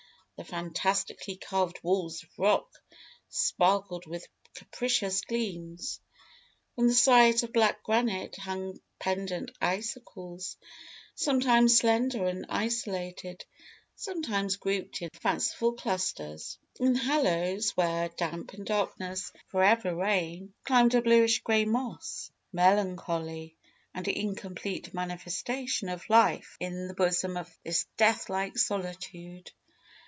The fantastically carved walls of rock sparkled with capricious gleams. From the sides of black granite hung pendent icicles, sometimes slender and isolated, sometimes grouped in fanciful clusters. In the hollows, where damp and darkness for ever reign, climbed a bluish grey moss, a melancholy and incomplete manifestation of life in the bosom of this death like solitude.